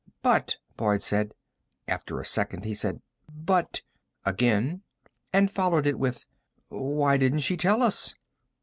"But," Boyd said. After a second he said: "But," again, and followed it with: "Why didn't she tell us?"